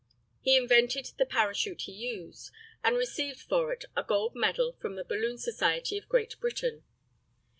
He invented the parachute he used, and received for it a gold medal from the Balloon Society of Great Britain.